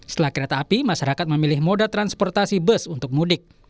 setelah kereta api masyarakat memilih moda transportasi bus untuk mudik